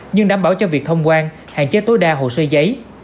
nhưng đảm bảo cho việc thông quan hạn chế tối đa hồ sơ giấy